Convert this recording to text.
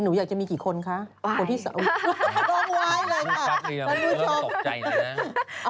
หนูอยากจะมีกี่คนคะผู้พี่สาวอุ๊ยต้องไว้เลยค่ะมาดูชม